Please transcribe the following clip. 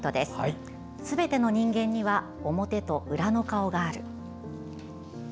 「すべての人間には表と裏の顔がある」。